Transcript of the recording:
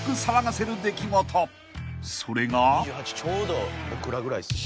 ［それが］